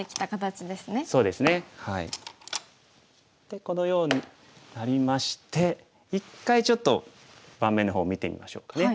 でこのようになりまして一回ちょっと盤面の方見てみましょうかね。